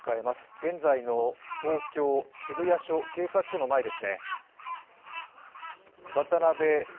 現在の東京・渋谷警察署の前です。